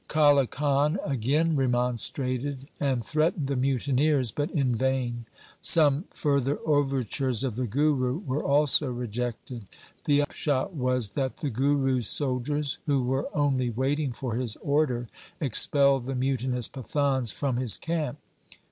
Kale Khan again remonstrated and threatened the mutineers, but in vain. Some further overtures of the Guru were also rejected. The upshot was that the Guru's soldiers, who were only waiting for his order, expelled the. mutinous Pathans from his camp.